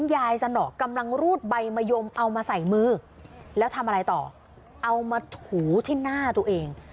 ไม่อยากให้แม่เป็นอะไรไปแล้วนอนร้องไห้แท่ทุกคืน